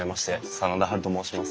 真田ハルと申します。